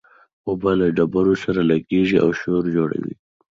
اوبه له ډبرو سره لګېږي او شور جوړوي.